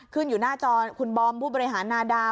ขึ้นอยู่หน้าจอคุณบอมผู้บริหารนาดา